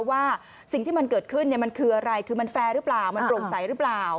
ว่าสิ่งที่มันเกิดขึ้นมันคืออะไรคือมันแฟร์หรือเปล่ามันโปร่งใสหรือเปล่า